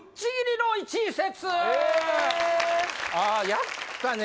やったね